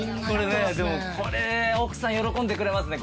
これ奥さん喜んでくれますね